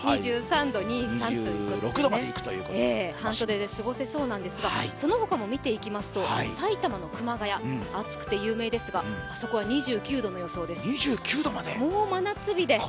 ２３度、「にいさん」ということで半袖で過ごせそうなんですがその他も見ていきますと、埼玉の熊谷暑くて有名ですが、あそこは２９度の予定です、真夏日です。